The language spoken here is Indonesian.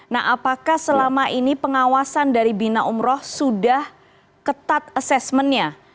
nah apakah selama ini pengawasan dari bina umroh sudah ketat assessmentnya